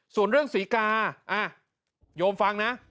ส่วนเรื่องศรีกาโยมฟังนะ